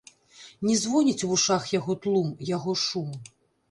Не звоніць у вушах яго тлум, яго шум.